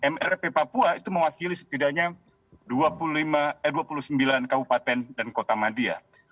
mrp papua itu mewakili setidaknya dua puluh sembilan kabupaten dan kota madia